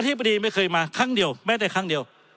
ธิบดีไม่เคยมาครั้งเดียวแม้แต่ครั้งเดียว